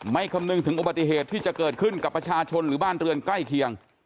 คำนึงถึงอุบัติเหตุที่จะเกิดขึ้นกับประชาชนหรือบ้านเรือนใกล้เคียง